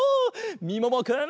みももくん。